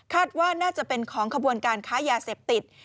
ว่าน่าจะเป็นของขบวนการค้ายาเสพติด